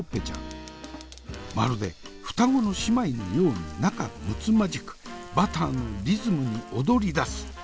まるで双子の姉妹のように仲むつまじくバターのリズムに踊りだす。